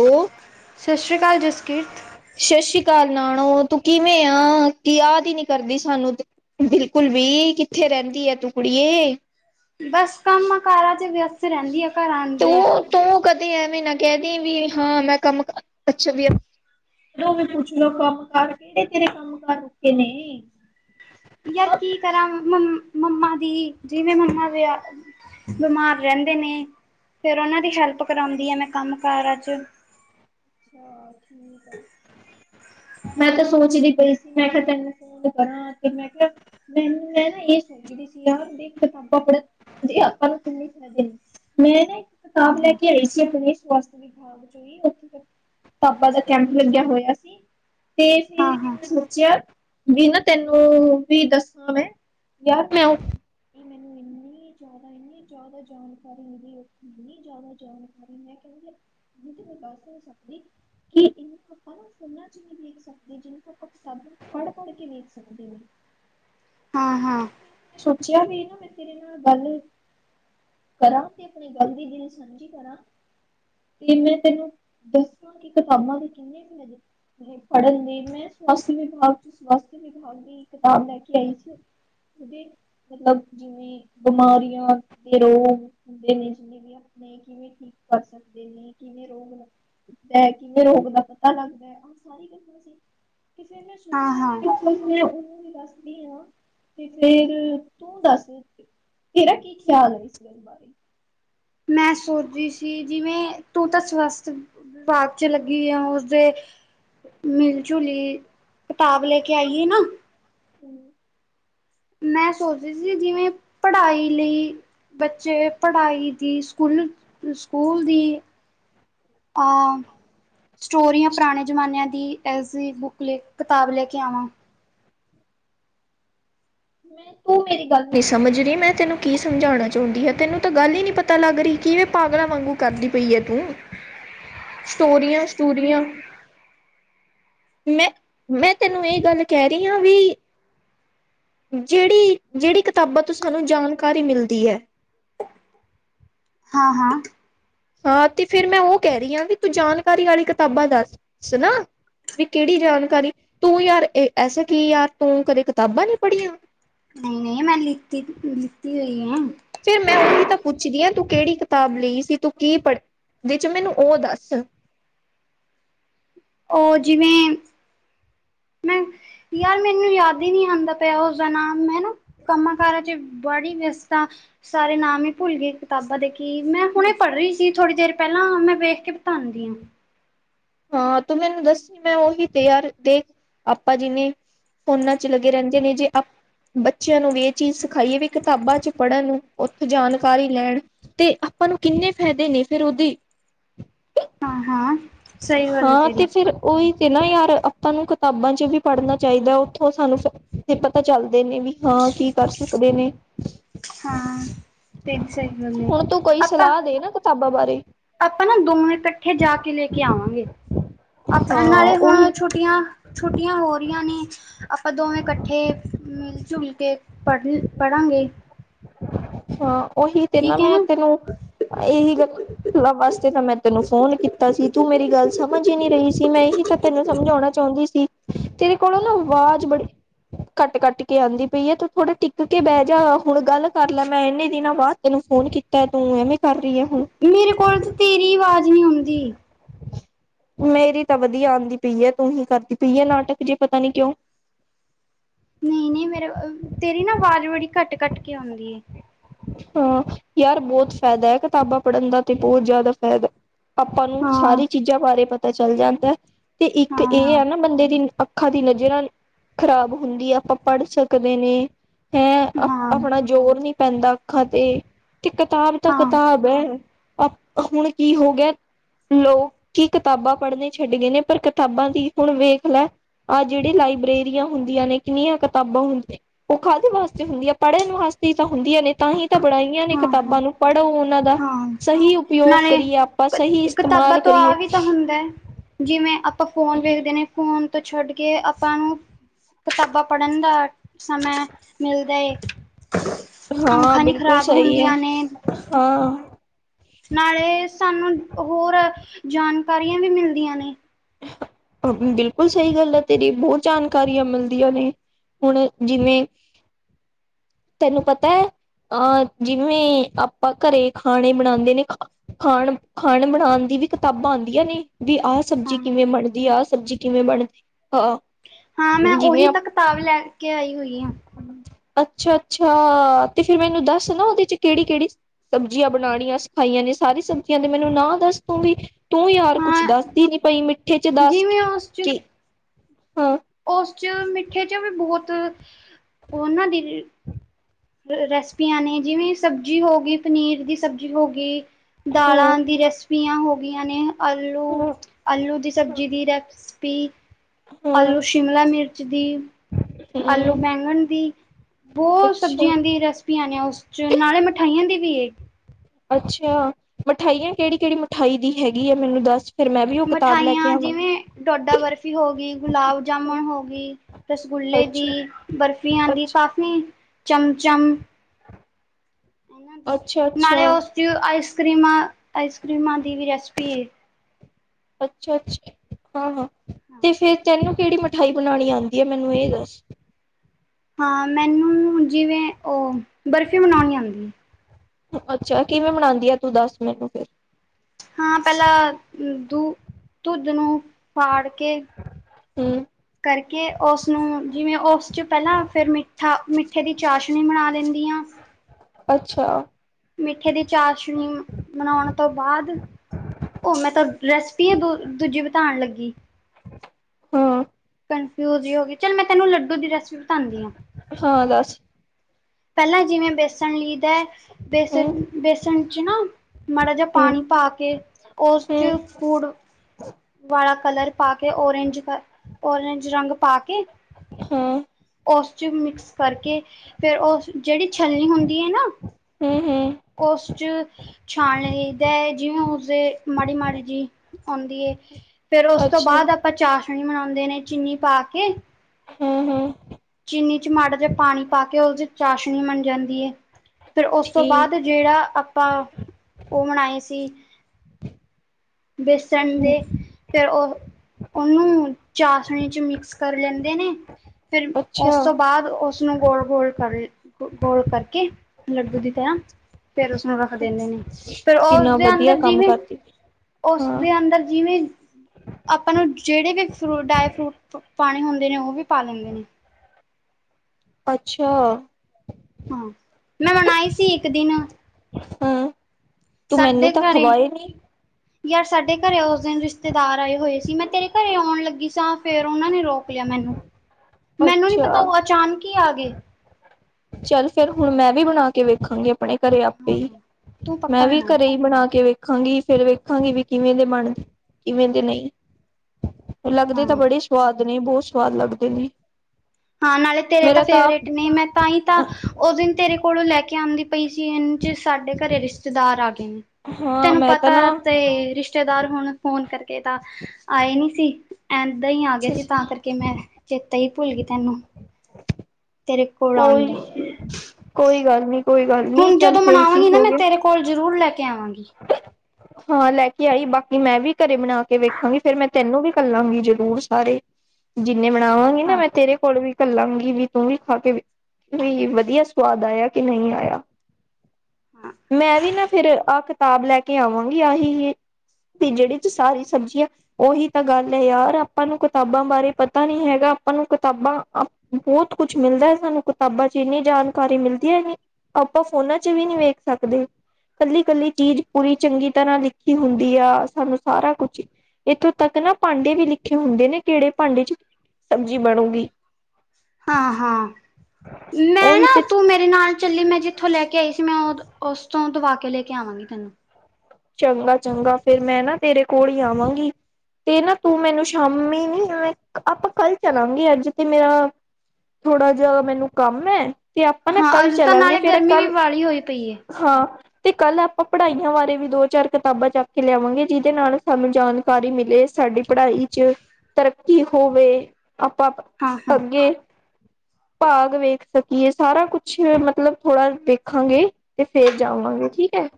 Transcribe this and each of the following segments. ਓਹ। ਸ਼ਸ਼੍ਰੀ ਕਾਲ, ਜਸਕੀਰਤ। ਸਸ਼ਰੀ ਕਾਲ ਨਾਣੋ, ਤੂੰ ਕਿਵੇਂ ਆ! ਕੀ ਯਾਦ ਈ ਨੀ ਕਰਦੀ ਸਾਨੂੰ ਤੂੰ? ਹੁਨ ਬਿਲਕੁਲ ਵੀ, ਕਿੱਥੇ ਰੈਂਦੀ ਐ ਤੂੰ ਕੁੜੀਏ? ਬਸ, ਕੰਮਾ-ਕਾਰਾਂ 'ਚ ਵਿਅਸਤ ਰੈਂਦੀ ਏ ਘਰ ਤੂੰ ਆਂਦੇ। ਤੂੰ ਕਦੇ ਐਵੇਂ ਨਾ ਕੈਅ ਦੀ ਵੀ, ਹਾਂ, ਮੈਂ ਕੰਮ-ਕਾਰਾ 'ਚ ਵਿਅ ਜਦੋਂ ਵੀ ਪੁੱਛ ਲੋ ਕੰਮ-ਕਾਰ, ਕੇੜੇ ਤੇਰੇ ਕੰਮ- ਕਾਰ ਰੁਕੇੇ ਨੇ? ਯਾਰ, ਕੀ ਕਰਾਂ? ਮੰਮਾ- ਮੰਮਾ ਦੀ, ਜਿਵੇਂ ਮੰਮਾ ਵਿਆਹ ਬਿਮਾਰ ਰੈਂਦੇ ਨੇ, ਫੇਰ ਉਨਾਂ ਦੀ ਹੈਲਪ ਅੱਛਾ ਕਰਾਂਦੀ ਆ ਮੈਂ ਕੰਮ-ਕਾਰਾਂ 'ਚ। ਅੱਛਾ, ਠੀਕ ਐ। ਮੈਂ ਤਾਂ ਸੋਚਦੀ ਪਈ ਸੀ, ਮੈਂ ਕੇਆ ਤੈਨੂੰ ਫੋਨ ਕਰਾਂ, ਤੇ ਮੈਂ ਕੇਆ ਮੈਨੂੰ ਐ ਨਾ ਏਅ ਸਮਝੀ ਯਾਰ ਦੇਖ ਕਿਤਾਬਾਂ ਆਪਣੇ ਆਪਾਂ ਨੂੰ ਚਾਈਦੀ ਨੇ ਮੈਂ ਨਈ [unintelligible] ਕਿਤਾਬ ਲੈ ਆਹੋ। ਕੇ ਆਏ ਸੀ ਅਪਨੇ ਦੇਸ਼ ਵਾਸਤੇ ਵਿਭਾਗ 'ਚੋਂ ਈ ਓਥੇ। ਪਾਪਾ ਦਾ ਕੈਂਪ ਲੱਗਿਆ ਹੋਇਆ ਸੀ ਤੇ ਫਿਰ ਹਾਂ-ਹਾਂ, ਮੈਂ ਸੋਚਿਆ ਵੀ ਨਾ, ਤੈਨੂੰ ਵੀ ਦੱਸਾਂ ਮੈਂ, ਯਾਰ? ਮੈਂ ਓ ਮੈਨੂੰ ਵੀ ਜਾਦਾ ਇੰਨੀ ਜਾਦਾ ਜਾਨਕਾਰੀ ਹੁਨ ਨੀ ਜਾਨਾ, ਜਾਨਕਾਰੀ ਮੈ ਕਹਿੰਨੀ ਆ, ਮੈ ਦਸ ਨੀ ਸਕਦੀ। ਕੀ ਏਨੂੰ ਮੈ ਪਾਵਾਂ? ਫੋਨਾਂ 'ਚ ਨੀ ਵੇਖ ਸਕਦੇ, ਜਿੰਨੂੰ ਆਪਾਂ ਕਿਤਾਬਾਂ ਨੂੰ ਪੜ੍ਹ-ਪੜ੍ਹ ਕੇ ਵੇਖ ਸਕਦੇ ਨੇ। ਹਾਂ-ਹਾਂ। ਸੋਚਿਆ ਵੀ ਨਾ ਮੈਂ ਤੇਰੇ ਨਾਲ ਗੱਲ ਕਰਾਂ ਤੇ ਆਪਣੇ ਗੱਲ ਦੀ ਦਿਲ ਸਾਂਝੀ ਕਰਾਂ, 'ਤੇ ਮੈਂ ਤੈਨੂੰ ਦੱਸਾਂ ਕਿ ਕਿਤਾਬਾਂ ਦੇ ਕਿੰਨੇ ਵੀ ਮਜ਼ੇ ਪੜ੍ਹਨ ਨੀ, ਮੈਂ ਸਵਸਥ ਵਿਭਾਗ 'ਚ ਸਵਸਥ ਵਿਭਾਗ ਵੀ ਕਿਤਾਬ ਲੈ ਕੇ ਆਈ ਸੀ। ਦੇ ਮਤਲਬ, ਜਿਵੇਂ ਬਿਮਾਰੀਆਂ ਦੇ ਰੋਗ ਹੁੰਦੇ ਨੇ, ਜਿੰਨੇ ਵੀ ਅਪਨੇ ਕਿਵੇਂ ਠੀਕ ਕਰ ਸਕਦੇ ਨੇ, ਕਿਵੇਂ ਰੋਗ ਲਗ ਐ ਕਿਵੇਂ ਰੋਗ ਦਾ ਪਤਾ ਲੱਗਦੈ, ਉਹ ਸਾਰੀ ਗੱਲਾਂ ਸੀ। ਕਿਸੇ ਨੇ ਸੋਚਿਆ, ਮੈ ਹਾਂ-ਹਾਂ। ਮੇਨੂੰ ਵੀ ਓਹੀ ਦੱਸਦੀ ਐ। 'ਤੇ ਫੇਰ ਤੂੰ ਦੱਸ, ਤੇਰਾ ਕੀ ਖਿਆਲ ਏ ਇਸ ਗੱਲ ਬਾਰੇ? ਮੈਂ ਸੋਚਦੀ ਸੀ ਜਿਵੇਂ, ਤੂੰ ਤਾਂ ਸਵਸਥ ਭਾਗ 'ਚ ਲੱਗੀ ਆ ਉਸਦੇ ਮਿਲ-ਜੁਲੀ, ਕਿਤਾਬ ਲੈ ਕੇ ਆਈਏ ਨਾ? ਹੈਲੋ! ਮੈਂ ਸੋਚਦੀ ਸੀ ਜਿਵੇਂ ਪੜ੍ਹਾਈ ਲਈ ਬੱਚੇ ਪੜ੍ਹਾਈ ਦੀ, ਸਕੂਲ-ਸਕੂਲ ਦੀ [inaudible] ਆਹ, ਸਟੋਰੀਆਂ ਪੁਰਾਨੇ ਜ਼ਮਾਨਿਆਂ ਦੀ ਐ, ਰਸੀਦ ਬੁੱਕ ਲੇ, ਕਿਤਾਬ ਲੈ ਕੇ ਆਵਾਂ। ਮੈ ਤੂੰ ਮੇਰੀ ਗੱਲ ਤੇ ਸਮਝ ਰੀ, ਮੈਂ ਤੈਨੂੰ ਕੀ ਸਮਝਾਣਾ ਚਾਹੁੰਦੀ ਆ, ਤੈਨੂੰ ਤੇ ਗੱਲ ਈ ਨੀ ਪਤਾ ਲੱਗ ਰੀ, ਕਿਵੇਂ ਪਾਗਲਾ? ਵਾਂਗੂ ਕਰਦੀ ਪਈ ਏ ਤੂੰ, ਸਟੋਰੀਆਂ-ਸਟੋਰੀਆਂ। ਮੈਂ-ਮੈਂ ਤੈਨੂੰ ਏਹ ਗੱਲ ਕੈਅ ਰੀ ਆ ਵੀ ਜੇੜੀ ਜੇੜੀ ਕਿਤਾਬਾਂ ਤੋਂ ਸਾਨੂੰ ਜਾਨਕਾਰੀ ਮਿਲਦੀ ਐ ਹਾਂ ਹਾਂ ਹਾਂ, ਤੇ ਫਿਰ ਮੈਂ ਓ ਕੈਅ ਰਈ ਆਂ ਬੀ ਤੂੰ ਜਾਨਕਾਰੀ ਵਾਲੀ ਕਿਤਾਬਾਂ ਦੱਸ ਨਾ ਵੀ ਕੇੜੀ ਜਾਨਕਾਰੀ? ਤੂੰ ਯਾਰ ਐਸੇ ਕੀ ਯਾਰ, ਤੂੰ ਕਦੇ ਕਿਤਾਬਾਂ ਨੀ ਪੜ੍ਹੀਆਂ? ਨਈ ਨਈ ਮੈਂ ਲਿਤੀ ਲਿੱਤੀ ਹੋਈ ਐ ਤੇ ਮੈਂ ਓਈ ਤੇ ਪੁੱਛਦੀ ਆਂ ਤੂੰ ਕੇੜੀ ਕਿਤਾਬ ਲਈ ਸੀ ਤੂੰ ਕੀ ਪੜ੍ਹ ਵਿੱਚ ਮੈਨੂੰ ਓਹ ਦੱਸ। ਓ ਜਿਵੇਂ ਮੈਂ ਯਾਰ ਮੈਨੂੰ ਯਾਦ ਈ ਨੀ ਆਂਦਾ ਪੇਆ ਓਸਦਾ ਨਾਮ ਮੈਂ ਨਾ ਕੰਮਾਂ ਕਾਰਾਂ ਚ ਬੜੀ ਵਿਅਸਤਾ ਸਾਰੇ ਨਾਮ ਈ ਭੁੱਲ ਗਏ। ਕਿਤਾਬਾਂ ਦੇ ਕੀ ਮੈਂ ਹੁਣੇ ਪੜ੍ਹ ਰਈ ਸੀ ਥੋੜ੍ਹੀ ਦੇਰ ਪਹਿਲਾਂ ਮੈਂ ਵੇਖ ਕੇ ਬਤਾਂਦੀ ਆਂ ਹਾਂ, ਤੂੰ ਮੈਨੂੰ ਦੱਸਨੀ ਮੈਂ ਓਹੀ ਤੇ ਯਾਰ ਦੇਖ ਆਪਾ ਜੀ ਨੇ ਫੋਨਾਂ ਚ ਲੱਗੇ ਰੈਂਦੇ ਨੇ ਜੇ ਆਪ ਬੱਚਿਆਂ ਨੂੰ ਵੀ ਏਹ ਚੀਜ ਸਿਖਾਈਏ ਵੀ ਕਿਤਾਬਾਂ ਚ ਪੜ੍ਹਨ ਨੂੰ ਉੱਥੇ ਜਾਨਕਾਰੀ ਲੈਨ ਤੇ ਆਪਾਂ ਨੂੰ ਕਿੰਨੇ ਫੈਦੇ ਨੇ ਫੇਰ ਉਦੀ ਹਾਂ-ਹਾਂ ਹਾਂ ਤੇ ਫਿਰ ਓਈ ਤੇ ਨਾ ਯਾਰ ਆਪਾਂ ਨੂੰ ਕਿਤਾਬਾਂ ਚ ਵੀ ਪੜ੍ਹਨਾ ਚਾਈਦਾ, ਓਥੋਂ ਸਾਨੂੰ ਫ ਤੇ ਪਤਾ ਚੱਲਦੇ ਨੇ ਵੀ ਹਾਂ ਕੀ ਕਰ ਸਕਦੇ ਨੇ ਹਾਂ, ਫੇਰ ਸਈ ਗਲੇ ਏ। ਹੁਣ ਤੂੰ ਕੋਈ ਆਪਾਂ ਸਲਾਹ ਦੇ ਨਾ ਕਿਤਾਬਾਂ ਬਾਰੇ ਆਪਾਂ ਨਾ ਦੋਵੇਂ ਕੱਠੇ ਜਾ ਕੇ ਲੇ ਕੇ ਆਵਾਂਗੇ। ਆਪਾਂ ਹਾਂ ਨਾਲੇ ਹੁਨ ਉਹੀ ਛੋਟ ਟੀਆਂ ਛੁੱਟੀਆਂ ਹੋ ਰਈਆਂ ਨੇ ਆਪਾਂ ਦੋਵੇਂ ਕੱਠੇ ਮਿਲ-ਜੁਲ ਕੇ ਪੜ ਪੜਾਂਗੇ। ਅੱਛਾ, ਓਹੀ ਤੇ ਨਾ ਠੀਕ ਹੈ ਮੈਂ ਤੈਨੂੰ ਏਹੀ ਗੱਲ ਉਹਾ ਵਾਸਤੇ ਤਾਂ ਮੈਂ ਤੈਨੂੰ ਫੋਨ ਕੀਤਾ ਸੀ। ਤੂੰ ਮੇਰੀ ਗੱਲ ਸਮਝ ਈ ਨਈ ਰਈ ਸੀ। ਮੈਂ ਏਹੀ ਤਾਂ ਤੈਨੂੰ ਸਮਝੋਣਾ ਚੌਂਦੀ ਸੀ। ਤੇਰੇ ਕੋਲੋਂ ਨਾ ਵਾਜ਼ ਬੜੀ ਕੱਟ-ਕੱਟ ਕੇ ਆਂਦੀ ਪਈ ਐ ਤੇ ਥੋੜਾ ਟਿੱਕ ਕੇ ਬੋ ਜਾ। ਹੁਣ ਗੱਲ ਕਰ ਲੈ ਮੈਂ ਇੰਨੇ ਦਿਨਾਂ ਬਾਅਦ ਤੈਨੂੰ ਫੋਨ ਕੀਤਾ ਤੂੰ ਐਵੇਂ ਕਰ ਰਈ ਐ ਹੁਨ। ਮੇਰੇ ਕੋਲ ਤੇ ਤੇਰੀ ਵਾਜ ਨੀ ਔਂਦੀ ਮੇਰੀ ਤਾਂ ਵਦੀਆ ਆਂਦੀ ਪਈ ਏ ਤੂੰ ਹੀ ਕਰਦੀ ਪਈ ਏ ਨਾਟਕ ਜੇ, ਪਤਾ ਨੀ ਕਿਉਂ। ਨਈ ਨਈ ਮੇਰੇ ਤੇਰੀ ਨਾ ਵਾਜ ਬੜੀ ਕੱਟ-ਕੱਟ ਕੇ ਔਂਦੀ ਏ। ਹਾਂ, ਯਾਰ ਬੋਤ ਫੈਦਾ ਐ ਕਿਤਾਬਾਂ ਪੜ੍ਹਨ ਦਾ ਤੇ ਬਹੁਤ ਜ਼ਿਆਦਾ ਫੈਦਾ। ਆਪਾਂ ਨੂੰ ਹਾਂ ਸਾਰੀ ਚੀਜਾਂ ਬਾਰੇ ਪਤਾ ਚੱਲ ਜਾਂਦੈ ਤੇ ਇੱਕ ਏ ਹਾਂ ਐ ਨਾ ਬੰਦੇ ਦੀ ਅੱਖਾਂ ਦੀ ਨਜਰਾਂ ਖ਼ਰਾਬ ਹੁੰਦੀਐ। ਆਪਾਂ ਪੜ੍ਹ ਸਕਦੇ ਨੀ ਹੈਂ ਆਪਾਂ ਹਾਂ ਆਪਨਾ ਜੋਰ ਨੀ ਪੈਂਦਾ ਅੱਖਾਂ ਤੇ, ਤੇ ਕਤਾਬ ਤਾਂ ਹਾਂ ਹਾਂ ਕਤਾਬ ਐ। ਆਪ ਹੁਨ ਕੀ ਹੋ ਗਿਐ? ਲੋਕ ਈ ਕਤਾਬਾਂ ਪੜ੍ਹਨੀ ਛੱਡ ਗਏ ਨੇ ਪਰ ਕਤਾਬਾਂ ਦੀ ਹੁਣ ਵੇਖ ਲੈ ਆ ਜੇਹੜੀ ਲਾਇਬ੍ਰੇਰੀਆਂ ਹੁੰਦੀਆਂ ਨੇ ਕਿੰਨੀਆਂ ਕਤਾਬਾਂ ਹੁੰਦੀਆਂ ਓ ਕਾਦੇ ਵਾਸਤੇ ਹੁੰਦੀਆਂ, ਪੜ੍ਹਨ ਵਾਸਤੇ ਤਾਂ ਹੁੰਦੀਆਂ ਨੇ ਤਾਂ ਹੀ ਤਾਂ ਤੇ ਬਣਾਈਆਂ ਨੇ ਹਾਂ ਹਾਂ ਕਿਤਾਬਾਂ ਨੂੰ ਪੜ੍ਹੋ ਓਹਨਾਂ ਦਾ'- ਹਾਂ ਸਹੀ ਉਪਯੋਗ ਨਾਲੇ ਕਰੀਏ ਆਪਾਂ ਸਹੀ ਇਸਤੇਮਾਲ ਕਰੀਏ ਮੈਮ, ਜਿਵੇਂ ਆਪਾਂ ਫੋਨ ਵੇਖਦੇ ਨੇ, ਫੋਨ ਤੋਂ ਛੁੱਟ ਕੇ ਆਪਾਂ ਨੂੰ ਕਿਤਾਬਾਂ ਪੜ੍ਹਨ ਦਾ ਸਮੇਂ ਮਿਲਦਾ ਏ, ਅਖਾਂ ਨੀ ਏ ਖ਼ਰਾਬ ਸਈ ਐ, ਹੁੰਦੀਆਂ ਨੇ ਹਾਂ ਨਾਲੇ ਸਾਨੂੰ ਹੋਰ ਜਾਨਕਾਰੀਆਂ ਵੀ ਮਿਲਦੀਆਂ ਨੇ ਬਿਲਕੁਲ ਸਹੀ ਗੱਲ ਆ ਤੇਰੀ ਬਹੁਤ ਜਾਣਕਾਰੀਆਂ ਮਿਲਦੀਆਂ ਨੇ ਹੁਣ ਜਿਵੇਂ ਤੈਨੂੰ ਪਤਾ ਐ ਆ ਜਿਵੇਂ ਆਪਾਂ ਘਰੇ ਖਾਣੇ ਬਣਾਉਂਦੇ ਨੇ ਖਾਣ ਖਾਣ ਬਣਾਉਣ ਦੀ ਵੀ ਕਿਤਾਬਾਂ ਆਉਂਦੀਆਂ ਨੇ ਵੀ ਆਹ ਹਾਂ ਸਬਜ਼ੀ ਕਿਵੇਂ ਬਣਦੀ ਆ ਸਬਜ਼ੀ ਕਿਵੇਂ ਬਣਦੀ ਹਾਂ। ਹਾਂ ਮੈਂ ਜਿਵੇਂ ਉਹੀ ਤਾਂ ਕਿਤਾਬ ਲੈ ਕੇ ਆਈ ਹੋਈ ਹੈ। ਅੱਛਾ ਅੱਛਾ ਤੇ ਫਿਰ ਮੈਨੂੰ ਦੱਸ ਨਾ ਉਹਦੇ ਚ ਕਿਹੜੀ ਕਿਹੜੀ ਸਬਜ਼ੀਆਂ ਬਣਾਉਣੀਆਂ ਸਿਖਾਈਆਂ ਨੇ ਸਾਰੀ ਸਬਜ਼ੀਆਂ ਤੇ ਮੈਨੂੰ ਨਾ ਦੱਸ ਧੋਣੀ ਤੂੰ ਯਾਰ ਕੁਛ ਹਾਂ ਦੱਸਦੀ ਨੀ ਪਈ ਮਿੱਠੇ ਚ ਦੱਸ ਜਿਵੇਂ ਉਸ ਚ ਕੀ ਹਾਂ। ਉਸ ਚ ਮਿੱਠੇ ਚ ਵੀ ਬਹੁਤ ਉਹਨਾਂ ਦੇ [inaudible] ਰੈਸਪੀਆਂ ਨੇ ਜਿਵੇਂ ਸਬਜ਼ੀ ਹੋ ਗਈ ਪਨੀਰ ਦੀ ਸਬਜ਼ੀ ਹੋ ਗਈ ਹਾਂ ਦਾਲਾਂ ਦੀ ਰੈਸਪੀਆਂ ਹੋ ਗਈਆਂ ਨੇ ਆਲੂ ਹਾਂ ਆਲੂ ਦੀ ਸਬਜ਼ੀ ਦੀ ਰੈ ਪੀ [inaudible] ਆਲੂ ਸ਼ਿਮਲਾ ਮਿਰਚ ਦੀ ਆਲੂ ਬੈਂਗਣ ਦੀ ਬਹੁਤ ਸਬਜ਼ੀਆਂ ਦੀ ਰੈਸਪੀਆਂ ਨੇ ਉਸ 'ਚ ਨਾਲੇ ਮਿਠਾਈਆਂ ਦੀ ਵੀ ਇਹ ਅੱਛਾ ਮਿਠਾਈਆਂ ਕਿਹੜੀ ਕਿਹੜੀ ਮਿਠਾਈ ਦੀ ਹੈਗੀ ਆ ਮੈਨੂੰ ਦੱਸ ਫਿਰ ਮੈਂ ਵੀ ਉਹ ਕਿਤਾਬ ਲੈ ਕੇ ਮਿਠਾਈਆਂ ਆਵਾਂਗੀ ਜਿਵੇਂ ਡੋਡਾ ਬਰਫ਼ੀ ਹੋ ਗਈ ਗੁਲਾਬ ਜਾਮੁਣ ਹੋ ਗਈ ਰਸਗੁੱਲੇ ਦੀ ਬਰਫ਼ੀਆਂ ਆਂਦੀ ਕਾਫ਼ੀ ਚਮਚਮ ਇਹਨਾਂ ਦੀ ਨਾਲੇ ਅੱਛਾ-ਅੱਛਾ-ਅੱਛਾ-ਅੱਛਾ-ਅੱਛਾ ਉਸਦੀ ਆਈਸ ਕਰ੍ਰੀਮਾਂ ਆਈਸ ਕਰ੍ਰੀਮਾਂ ਦੀ ਵੀ ਰੈਸਪੀ ਅੱਛਾ ਅੱਛਾ ਹਾਂ ਹਾਂ ਤੇ ਹਾਂ, ਫਿਰ ਤੈਨੂੰ ਕਿਹੜੀ ਮਿਠਾਈ ਬਣਾਉਣੀ ਆਉਂਦੀ ਹੈ ਮੈਨੂੰ ਇਹ ਦੱਸ ਹਾਂ ਮੈਨੂੰ ਜਿਵੇਂ ਉਹ ਬਰਫ਼ੀ ਮਨਾਉਣੀ ਆਉਂਦੀ ਅੱਛਾ ਕਿਵੇਂ ਮਨਾਉਂਦੀ ਆ ਤੂੰ ਦੱਸ ਮੈਨੂੰ ਫਿਰ ਹਾਂ ਪਹਿਲਾਂ ਦੂ ਧੁੱਧ ਨੂੰ ਫਾੜ ਕੇ ਹੂੰ ਕਰਕੇ ਉਸ ਨੂੰ ਜਿਵੇਂ ਉਸ 'ਚ ਪਹਿਲਾਂ ਫਿਰ ਮਿੱਠਾ ਮਿੱਠੇ ਦੀ ਚਾਸ਼ਣੀ ਬਣਾ ਦਿੰਦੀ ਹਾਂ। ਅੱਛਾ। ਮਿੱਠੇ ਦੀ ਚਾਰਸ਼ਣੀ ਮਨਾਉਣ ਤੋਂ ਬਾਅਦ ਉਹ ਮੈਂ ਤਾਂ ਰੈਸਪੀ ਆ ਦੋ ਦੂਜੀ ਬਿਤਾਉਣ ਲੱਗੀ ਹਾਂ ਕਨਫਿਊਜ਼ ਹੀ ਹੋ ਗਈ ਚੱਲ ਮੈਂ ਤੈਨੂੰ ਲੱਡੂ ਦੀ ਰੈਸਪੀ ਬਤਾਉਂਦੀ ਹਾਂ ਦੱਸ ਪਹਿਲਾਂ ਜਿਵੇਂ ਬੇਸਣ ਲੀਦਾ ਹੈ ਹੂੰ ਬੇਸਣ ਬੇਸਣ ਚ ਨਾ ਮਾੜਾ ਜਿਹਾ ਹੂੰ ਪਾਣੀ ਪਾ ਕੇ ਉਸ ਹੂੰ ਚ ਫੂੜ ਵਾਲਾ ਕਲਰ ਪਾ ਕੇ ਓਰੇਂਜ ਦਾ ਓਰੇਂਜ ਰੰਗ ਪਾ ਕੇ ਹੂੰ,,, ਉਸ 'ਚ ਮਿਕਸ ਕਰਕੇ ਫਿਰ ਉਸ ਜਿਹੜੀ ਛੱਲਣੀ ਹੁੰਦੀ ਹੈ ਨਾ ਹੂੰ-ਹੂੰ ਉਸ ਚ ਛਾਣ ਲਈ ਲਈਦਾ ਜਿਵੇਂ ਉਸਦੇ ਮਾੜੀ ਮਾੜੀ ਜਿ ਆਉਂਦੀ ਐ ਫਿਰ ਉਸ ਤੋਂ ਅੱਛਾ ਬਾਅਦ ਆਪਾਂ ਚਾਸ਼ਣੀ ਮਨਾਉਂਦੇ ਨੇ ਚੀਨੀ ਪਾ ਕੇ ਹੂੰ-ਹੂੰ ਚੀਨੀ ਚ ਮਾੜਾ ਜਿਹਾ ਪਾਣੀ ਪਾ ਕੇ ਉਹਦੇ ਚ ਚਾਸ਼ਣੀ ਬਨ ਜਾਂਦੀ ਹੈ। ਫਿਰ ਉਸ ਤੋਂ ਬਾਅਦ ਠੀਕ ਜਿਹੜਾ ਆਪਾਂ ਉਹ ਮਨਾਏ ਸੀ। ਵੇਸਣ ਦੇ ਫਿਰ ਉਹ ਉਹਨੂੰ ਚਾਸ਼ਣੀ ਚ ਮਿਕਸ ਕਰ ਲੈਂਦੇ ਨੇ, ਫਿਰ ਉਸ ਆ ਤੋਂ ਬਾਅਦ ਉਸ ਉਸਨੂੰ ਗੋਲ -ਗੋਲ ਕਰ ਗੋਲ ਕਰਕੇ ਲੱਡੂ ਦੀ ਤਰ੍ਹਾਂ ਫੇਰ ਉਸਨੂੰ ਰੱਖ ਦਿੰਦੇ ਨੇ, ਫੇਰ ਉਹ ਕਿੰਨਾ ਉਸਦੇ ਵਧੀਆ ਅੰਦਰ ਕੰਮ ਜਿਵੇਂ ਕਰਦੀ ਹਾਂ ਉਸਦੇ ਅੰਦਰ ਜਿਵੇਂ ਆਪਾਂ ਨੂੰ ਜਿਹੜੇ ਵੀ ਫਰੂ ਡਰਾਏ ਫਰੂਟ ਪਾਉਣੇ ਹੁੰਦੇ ਨੇ ਉਹ ਵੀ ਪਾ ਲੈਂਦੇ ਨੇ। ਅੱਛਾ। ਹਾਂ ਮੈਂ ਮਨਾਈ ਸੀ ਇੱਕ ਦਿਨ। ਹਾਂ, ਤੂੰ ਮੈਨੂੰ ਸਾਡੇ ਤਾਂ ਘਰੇ ਖਵਾਏ ਨੀ। ਯਾਰ ਸਾਡੇ ਘਰੇ ਉਸ ਦਿਨ ਰਿਸ਼ਤੇਦਾਰ ਆਏ ਹੋਏ ਸੀ, ਮੈਂ ਤੇਰੇ ਘਰੇ ਆਉਣ ਲੱਗੀ ਸੀ ਤਾਂ ਫੇਰ ਉਹਨਾਂ ਨੇ ਰੋਕ ਲਿਆ ਮੈਨੂੰ, ਮੈਨੂੰ ਨੀ ਅੱਛਾ ਪਤਾ ਉਹ ਅਚਾਨਕ ਹੀ ਆ ਗਏ। ਚੱਲ ਫੇਰ ਹੁਣ ਮੈਂ ਵੀ ਬਣਾ ਕੇ ਵੇਖਾਂਗੀ। ਆਪਣੇ ਘਰੇ ਆਪੇ ਹਾਂ ਹੀ, ਹਾਂ ਤੂੰ ਪੱਕਾ ਮੈਂ ਵੀ ਆਣਾ ਘਰੇ ਹੀ ਬਣਾ ਕੇ ਵੇਖ ਵੇਖਾਂਗੀ, ਫੇਰ ਵੇਖਾਂਗੀ ਵੀ ਕਿਵੇਂ ਦੇ ਬਣ ਕਿਵੇਂ ਦੇ ਨਹੀਂ। ਲੱਗਦੇ ਤਾਂ ਹਾਂ ਬੜੇ ਸਵਾਦ ਨੇ, ਬਹੁਤ ਸਵਾਦ ਲੱਗਦੇ ਨੇ। ਹਾਂ ਨਾਲੇ ਤੇਰੇ ਤਾਂ ਮੇਰਾ ਆਪ ਫੇਵਰੇਟ ਨੇ, ਮੈਂ ਤਾਂ ਹੀ ਤਾਂ ਉਸ ਦਿਨ ਤੇਰੇ ਕੋਲੋਂ ਲੈ ਕੇ ਆਉਂਦੀ ਪਈ ਸੀ ਇਹ ਚ ਸਾਡੇ ਘਰੇ ਰਿਸ਼ਤੇਦਾਰ ਆ ਗਏ ਨੇ, ਹਾਂ ਤੈਨੂੰ ਮੈਂ ਤਾਂ ਪਤਾ ਨਾ ਤੇ ਰਿਸ਼ ਰਿਸ਼ਤੇਦਾਰ ਹੁਣ ਫੋਨ ਕਰਕੇ ਤਾਂ ਆਏ ਨੀ ਸੀ। ਏਦਾਂ ਹੀ ਆ ਗਿਆ ਸੀ, ਤਾਂ ਕਰਕੇ ਮੈਂ ਚੇਤਾ ਹੀ ਭੁੱਲ ਤੈਨੂੰ ਤੇਰੇ ਕੋਲ ਆਉਣ ਦਾ ਕੋਈ -ਕੋਈ ਗੱਲ ਨੀ -ਕੋਈ ਗੱਲ ਨੀ ਚੱਲ ਫੇਰ ਕੀ ਹੋ ਗਿਆ। ਕਲ ਜ਼ਰੂਰ ਲੈ ਕੇ ਆਵਾਂਗੀ। ਹਾਂ ਲੈ ਕੇ ਆਈ, ਬਾਕੀ ਮੈਂ ਵੀ ਘਰੇ ਬਣਾ ਕੇ ਵੇਖਾਂਗੀ, ਫੇਰ ਮੈਂ ਤੈਨੂੰ ਵੀ ਘਲਾਂਗੀ ਜ਼ਰੂਰ ਸਾਰੇ। ਜਿੰਨੇ ਬਨਾਵਾਂਗੀ ਨਾ ਹਾਂ ਮੈਂ ਤੇਰੇ ਕੋਲ ਵੀ ਘਲਾਂਗੀ ਵੀ ਤੂੰ ਵੀ ਖਾ ਕੇ ਵੀ ਵਧੀਆ ਸਵਾਦ ਆਇਆ ਕਿ ਨਹੀਂ ਆਇਆ। ਹਾਂ ਮੈਂ ਵੀ ਨਾ ਫਿਰ ਆਹ ਕਿਤਾਬ ਲੈ ਕੇ ਆਵਾਂਗੀ ਆਹੀ ਹੀ। ਤੇ ਜਿਹੜੇ ਚ ਸਾਰੀ ਸਬਜ਼ੀਆਂ ਉਹੀ ਤਾਂ ਗੱਲ ਹੈ ਯਾਰ, ਆਪਾਂ ਨੂੰ ਕਿਤਾਬਾਂ ਬਾਰੇ ਪਤਾ ਨਹੀਂ ਹੈਗਾ, ਆਪਾਂ ਨੂੰ ਕਿਤਾਬਾਂ ਬਹੁਤ ਕੁਛ ਮਿਲਦਾ ਹੈ ਸਾਨੂੰ ਕਿਤਾਬਾਂ ਚ, ਇੰਨੀ ਜਾਣਕਾਰੀ ਮਿਲਦੀ ਹੈ ਨਹੀਂ। ਆਪਾਂ ਫੋਨਾਂ ਚ ਵੀ ਨਹੀਂ ਵੇਖ ਸਕਦੇ। ਕੱਲੀ -ਕੱਲੀ ਚੀਜ਼ ਪੂਰੀ ਚੰਗੀ ਤਰ੍ਹਾਂ ਲਿਖੀ ਹੁੰਦੀ ਆ, ਸਾਨੂੰ ਸਾਰਾ ਕੁਛ ਇੱਥੋਂ ਤੱਕ ਨਾ ਭਾਂਡੇ ਵੀ ਲਿਖੇ ਹੁੰਦੇ ਨੇ, ਕਿਹੜੇ ਭਾਂਡੇ ਚ ਸਬਜ਼ੀ ਬਣੂਗੀ। ਹਾਂ -ਹਾਂ ਮੈਂ ਉਹੀ ਨਾ ਤੇ ਤੂੰ ਮੇਰੇ ਮੇਰੇ ਨਾਲ ਚੱਲੀ, ਮੈਂ ਜਿੱਥੋਂ ਲੈ ਕੇ ਆਈ ਸੀ ਮੈਂ ਉਸ ਤੋਂ ਦਵਾ ਕੇ ਲੈ ਕੇ ਆਵਾਂਗੀ ਤੈਨੂੰ। ਚੰਗਾ -ਚੰਗਾ ਫੇਰ ਮੈਂ ਨਾ ਤੇਰੇ ਕੋਲ ਹੀ ਆਵਾਂਗੀ। ਤੇ ਨਾ ਤੂੰ ਮੈਨੂੰ ਸ਼ਾਮੀ ਨੀ ਆਪਾਂ ਕੱਲ ਚਲਾਂਗੇ, ਅੱਜ ਤੇ ਮੇਰਾ ਥੋੜਾ ਜਿ ਮੈਨੂੰ ਕੰਮ ਏ। ਤੇ ਆਪਾਂ ਨਾ ਹਾਂ ਕੱਲ ਅੱਜ ਤਾਂ ਚਲਾਂਗੇ, ਨਾਲੇ ਫੇਰ ਗਰਮੀ ਵੀ ਕੱਲ ਵਾਲੀ ਹੋਈ ਪਈ ਹੈ ਹਾਂ। ਤੇ ਕੱਲ ਆਪਾਂ ਪੜ੍ਹਾਈਆਂ ਬਾਰੇ ਵੀ ਦੋ ਚਾਰ ਕਿਤਾਬਾਂ ਚੱਕ ਕੇ ਲਿਆਵਾਂਗੇ, ਜਿਹਦੇ ਨਾਲ ਸਾਨੂੰ ਜਾਣਕਾਰੀ ਮਿਲੇ, ਸਾਡੀ ਪੜ੍ਹਾਈ ਚ ਤਰੱਕੀ ਹੋਵੇ, ਆਪਾਂ ਹਾਂ ਹਾਂ ਅੱਗੇ ਭਾਗ ਵੇਖ ਸਕੀਏ, ਸਾਰਾ ਕੁਛ ਮਤਲਬ ਥੋੜਾ ਦੇੇਖਾਂਗੇ। ਤੇ ਫੇਰ ਜਾਵਾਂਗੇ ਠੀਕ ਹੈ।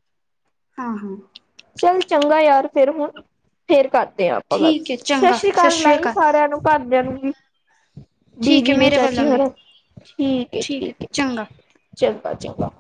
ਹਾਂ -ਹਾਂ! ਚੱਲ ਚੰਗਾ ਯਾਰ, ਫਿਰ ਹੁਣ ਫੇਰ ਕਰਦੇ ਹਾਂ ਆਪਾਂ ਗੱਲ, ਸਤਿ ਸ੍ਰੀ ਅਕਾਲ ਲਾਈ ਸਾਰਿਆਂ ਨੂੰ। ਘਰਦਿਆਂ ਨੂੰ ਵੀ। ਠੀਕ ਹੈ ਬੀਜੀ ਨੂੰ, ਮੇਰੇ ਵੱਲੋਂ ਚਾਚੀ ਵੀ ਹੋਰਾ ਠੀਕ ਏ, ਹੈ ਠੀਕ ਏ। ਚੰਗਾ ਚੰਗਾ-ਚੰਗਾ।